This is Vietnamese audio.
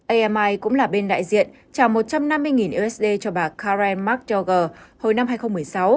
ami cũng là bên đại diện trả một trăm năm mươi usd cho bà karen mcdougar hồi năm hai nghìn một mươi sáu